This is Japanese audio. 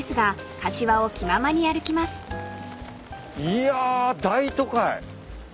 いや大都会。